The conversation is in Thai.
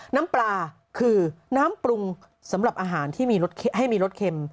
น้ำปลาคือน้ำปรุงสำหรับอาหารที่มีรสให้มีรสเค็ม